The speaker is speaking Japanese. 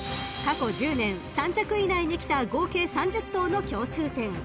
［過去１０年３着以内にきた合計３０頭の共通点］